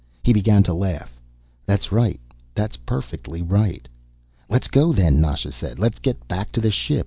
He began to laugh. "That's right. That's perfectly right." "Let's go, then," Nasha said. "Let's get back to the ship.